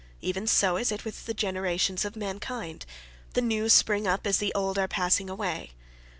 Even so is it with the generations of mankind, the new spring up as the old are passing away.